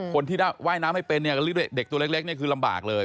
คนที่ว่ายน้ำไม่เป็นเนี่ยเด็กตัวเล็กนี่คือลำบากเลย